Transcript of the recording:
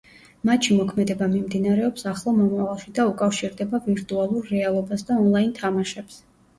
მათში მოქმედება მიმდინარეობს ახლო მომავალში და უკავშირდება ვირტუალურ რეალობას და ონლაინ თამაშებს.